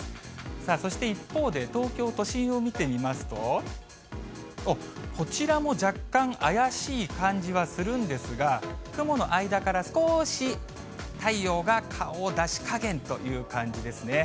さあ、そして一方で東京都心を見てみますと、こちらも若干怪しい感じはするんですが、雲の間から少し太陽が顔を出しかげんという感じですね。